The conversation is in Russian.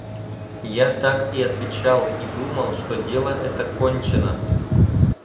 Я так и отвечал и думал, что дело это кончено.